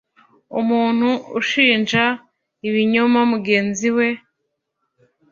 umuntu ushinja ibinyoma mugenzi we